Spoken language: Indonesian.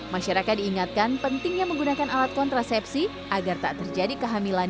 masyarakat diingatkan pentingnya menggunakan alat kontrasepsi agar tak terjadi kehamilan